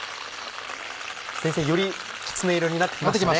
先生よりきつね色になってきましたね。